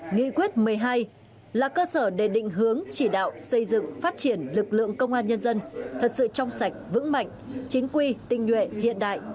nghị quyết một mươi hai là cơ sở để định hướng chỉ đạo xây dựng phát triển lực lượng công an nhân dân thật sự trong sạch vững mạnh chính quy tinh nhuệ hiện đại